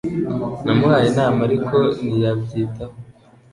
Namuhaye inama, ariko ntiyabyitaho